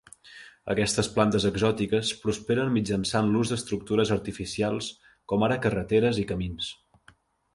Aquestes plantes exòtiques prosperen mitjançant l'ús d'estructures artificials com ara carreteres i camins.